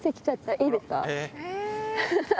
いいですか？